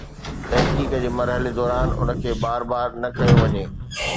تحقيق جي مرحلي دوران ان کي بار بار نه ڪيو وڃي.